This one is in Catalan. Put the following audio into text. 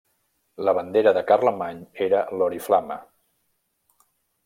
La bandera de Carlemany era l'oriflama.